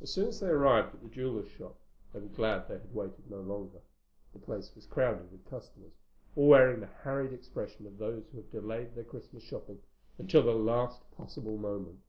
As soon as they arrived at the jeweler's shop they were glad they had waited no longer. The place was crowded with customers, all wearing the harried expression of those who have delayed their Christmas shopping until the last possible moment.